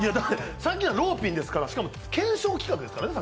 さっきのローピンですからさっきの検証企画ですからね。